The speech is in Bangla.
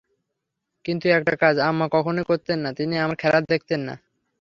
কিন্তু একটা কাজ আম্মা কখনোই করতেন না, তিনি আমার খেলা দেখতেন না।